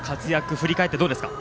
振り返ってどうですか？